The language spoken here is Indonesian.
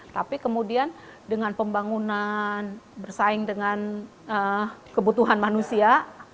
tapi kemudian dengan pembangunan bersaing dengan kebutuhan manusia